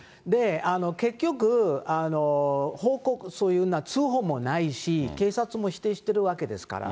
結局、報告、そういう通報もないし、警察も否定してるわけですから。